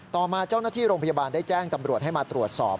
ต่อมาเจ้าหน้าที่โรงพยาบาลได้แจ้งตำรวจให้มาตรวจสอบ